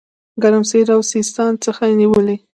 ګرمسېر او سیستان څخه نیولې.